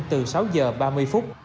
từ sáu h ba mươi phút